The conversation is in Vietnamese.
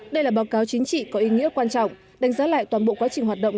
đây là báo cáo chính trị có ý nghĩa quan trọng đánh giá lại toàn bộ quá trình hoạt động